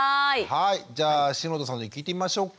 はいじゃあ篠田さんに聞いてみましょっか。